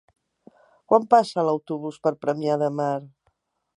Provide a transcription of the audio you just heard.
Quan passa l'autobús per Premià de Mar?